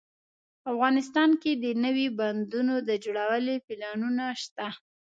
افغانستان کې د نوي بندونو د جوړولو پلانونه شته